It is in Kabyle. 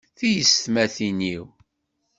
Tiyessetmatin-iw